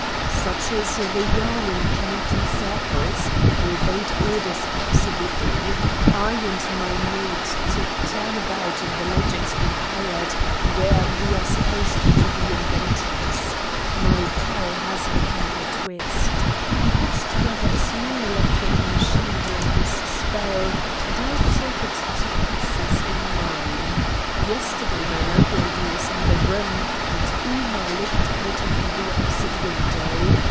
"Such is the yarn in Kennington circles. I obeyed orders absolutely. I and my mate took turn about in the lodgings we hired, where we are supposed to be inventors. My pal has a mechanical twist. He puts together a small electric machine during his spell, and I take it to pieces in mine. Yesterday my landlady was in the room, and Ooma looked out of the opposite window.